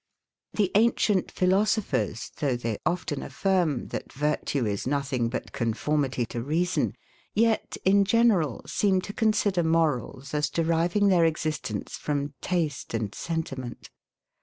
The ancient philosophers, though they often affirm, that virtue is nothing but conformity to reason, yet, in general, seem to consider morals as deriving their existence from taste and sentiment.